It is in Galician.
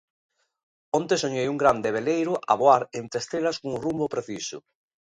Onte soñei un grande veleiro a voar entre estrelas con rumbo preciso.